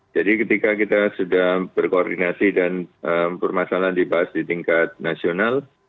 jadi ketika kita sudah berkoordinasi dan permasalahan dibahas di tingkat nasional